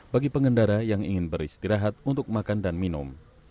bagi pengendara yang ingin beristirahat untuk makan dan minum